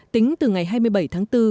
tính từ ngày hai mươi bảy tháng bốn